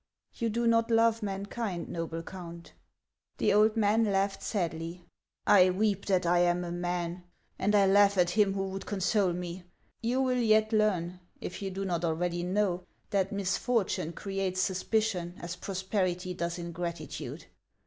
" You do not love mankind, noble Count ?" The old man laughed sadly. " I weep that I am a man, and I laugh at him who would console me. You will yet learn, if you do not already know, that misfortune creates suspicion as prosperity does ingratitude.